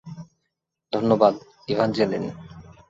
ধন্যবাদ, ইভ্যাঞ্জেলিন।